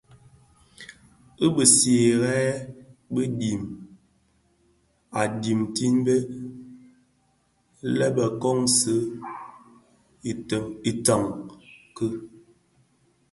I bisiigherè bi dhim a dhitimbèn lè bè kōōsi itoň ki.